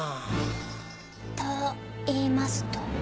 といいますと？